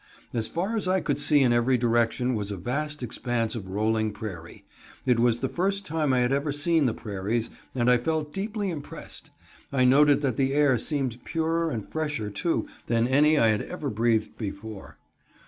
As far as I could see in every direction was a vast expanse of rolling prairie. It was the first time I had ever seen the prairies, and I felt deeply impressed. I noted that the air seemed purer and fresher too than any I had ever breathed before.